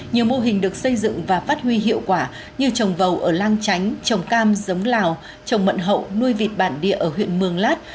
nhiều mô hình được xây dựng và phát huy hiệu quả như trồng vầu ở lang chánh trồng cam giống lào trồng mận hậu nuôi vịt bản địa ở huyện mường lát